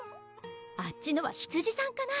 あっちのは羊さんかな？